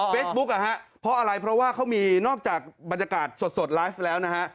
เพียสบุ๊กพออะไรเพราะว่าเขามีนอกจากบรรยากาศสดไลฟ์แล้วนะครับ